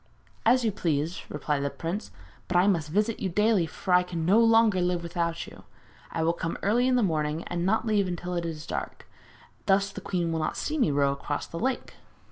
'As you please,' replied the prince; 'but I must visit you daily, for I can live no longer without you! I will come early in the morning and not leave until it is dark; thus the queen will not see me row across the lake.'